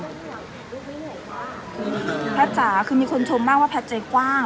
แพทย์จ๋าคือมีคนชมมากว่าแพทย์ใจกว้าง